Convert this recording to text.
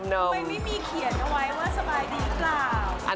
ทำไมไม่มีเขียนเอาไว้ว่าสบายดีหรือเปล่า